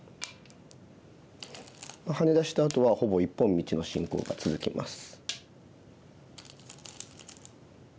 ハネ出したあとはほぼ一本道の進行が続きます。